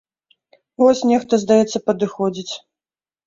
Вось нехта, здаецца, падыходзіць.